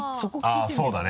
あっそうだね。